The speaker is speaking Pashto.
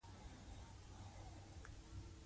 د اکتوبر پر اتمه جهاني صاحب ته تیلفون وکړ.